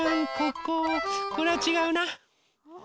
これはちがうな。